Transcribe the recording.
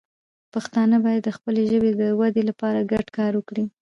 پښتانه باید د خپلې ژبې د وده لپاره ګډ کار وکړي.